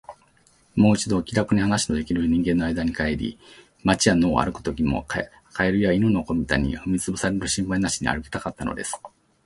もう一度、気らくに話のできる人間の中に帰り、街や野を歩くときも、蛙や犬の子みたいに踏みつぶされる心配なしに歩きたかったのです。